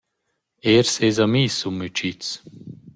Eir seis amis sun mütschits.